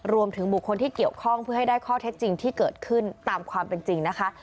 รวมถึงบุคคลที่เกี่ยวข้องเพื่อให้ได้ข้อเท็จจริงที่เกิดขึ้นตามความเป็นจริงนะคะ